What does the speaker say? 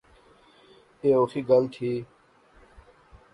ایہہ اوخی گل تھی